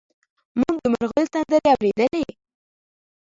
موږ د مرغیو سندرې اورېدلې.